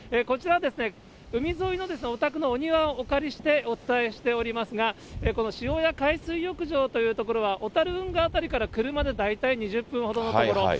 こちら、海沿いのお宅のお庭をお借りしてお伝えしておりますが、このしおや海水浴場という所は、小樽運河辺りから車で大体２０分ほどの所。